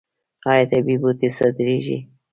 آیا طبیعي بوټي صادریږي؟